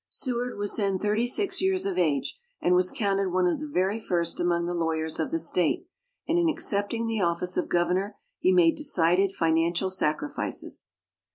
Seward was then thirty six years of age, and was counted one of the very first among the lawyers of the State, and in accepting the office of Governor he made decided financial sacrifices.